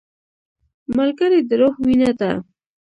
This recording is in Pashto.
ملګری د روح وینه ده